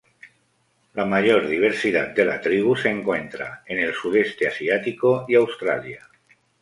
La mayor diversidad de la tribu se encuentra en el sudeste asiático y Australia.